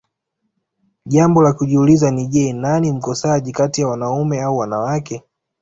jambo la kujiuliza ni je nani mkosaji kati ya wanaume au wanawake